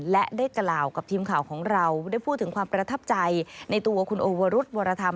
และได้กล่าวกับทีมข่าวของเราได้พูดถึงความประทับใจในตัวคุณโอวรุธวรธรรม